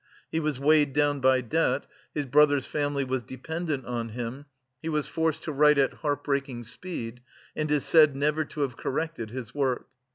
He was weighed down by debt, his brother's family was dependent on him, he was forced to write at heart breaking speed, and is said never to have corrected his work.